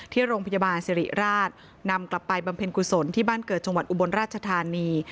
ที่โรงพยาบาลสิริราชนำกลับไปบำเพ็ญกุศลที่บ้านเกิดจังหวัดอุบลราชธานี